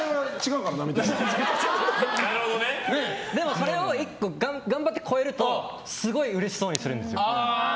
それを１個、頑張って超えるとすごい嬉しそうにするんですよ。